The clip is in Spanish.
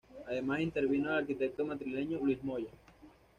Además intervino el arquitecto madrileño Luis Moya.